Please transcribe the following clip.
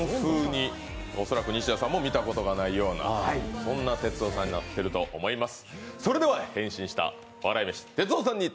恐らく西田さんも見たことがないような哲夫さんになっていると思います。